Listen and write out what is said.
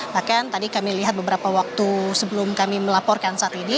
bahkan tadi kami lihat beberapa waktu sebelum kami melaporkan saat ini